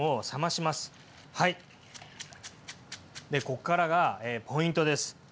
ここからがポイントです。